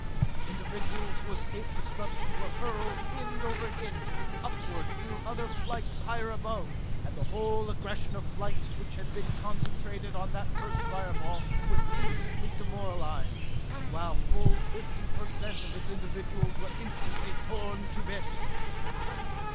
Individuals who escaped destruction were hurled end over end, upward through other flights higher above, and the whole aggregation of flights which had been concentrated on that first fire ball was instantly demoralized, while full fifty per cent of its individuals were instantly torn to bits!